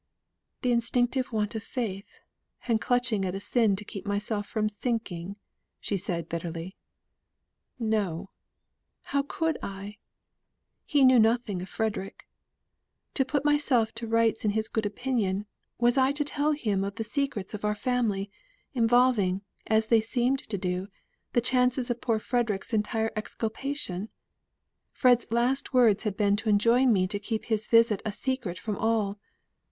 "The instinctive want of faith, and clutching at a sin to keep myself from sinking," said she bitterly. "No! How could I? He knew nothing of Frederick. To put myself to rights in his good opinion, was I to tell him the secrets of our family, involving, as they seemed to do, the chances of poor Frederick's entire exculpation? Fred's last words had been to enjoin me to keep his visit a secret from all.